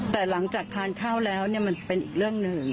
แต่หลังจากทานข้าวแล้วมันเป็นอีกเรื่องหนึ่ง